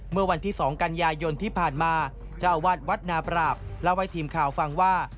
เมื่อวันที่๒กันยายนที่ผ่านมาเจ้าวาดวัดนาปราบเล่าให้ทีมข่าวฟังว่า